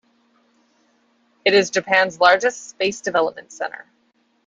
It is Japan's largest space development center.